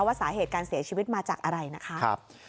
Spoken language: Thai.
สาเหตุการเสียชีวิตมาจากอะไรนะคะ